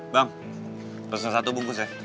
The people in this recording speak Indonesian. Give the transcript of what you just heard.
bang terus satu bungkus ya